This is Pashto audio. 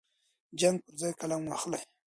د جنګ پر ځای قلم واخلئ.